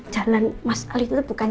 jalan mas ali itu tuh kan